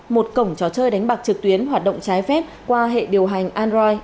một cổng trò chơi đánh bạc trực tuyến hoạt động trái phép qua hệ điều hành android